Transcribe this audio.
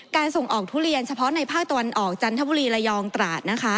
ส่งออกทุเรียนเฉพาะในภาคตะวันออกจันทบุรีระยองตราดนะคะ